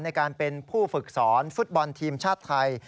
ในการเป็นผู้ฝึกสอนฟุตบอลทีมชาติไทย